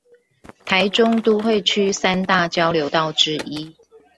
臺中都會區三大交流道之一